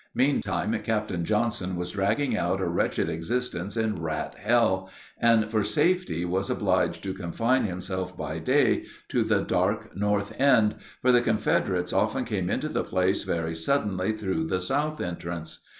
Meantime Captain Johnson was dragging out a wretched existence in Rat Hell, and for safety was obliged to confine himself by day to the dark north end, for the Confederates often came into the place very suddenly through the south entrance.